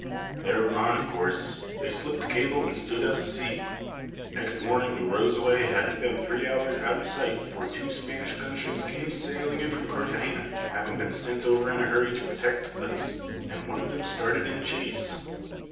Thereupon, of course, they slipped cable and stood out to sea. Next morning the Rosaway hadn't been three hours out of sight before two Spanish gun ships came sailing in from Cartagena, having been sent over in a hurry to protect the place; and one of them started in chase.